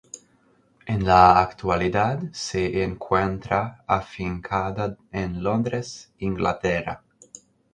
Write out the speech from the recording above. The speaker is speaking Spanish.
En la actualidad se encuentra afincada en Londres, Inglaterra.